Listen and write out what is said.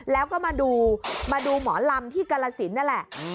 แล้วก็มาดูมาดูหมอลำที่กรสินนั่นแหละ